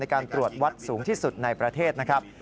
การตรวจวัดสูงที่สุดในประเทศนะครับ